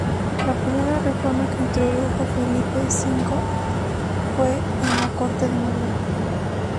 La primera reforma que introdujo Felipe V fue en la corte de Madrid.